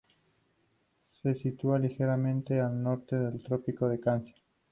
Se sitúa ligeramente al norte del Trópico de Cáncer.